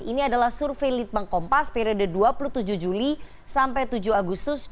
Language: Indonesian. ini adalah survei litbang kompas periode dua puluh tujuh juli sampai tujuh agustus dua ribu dua puluh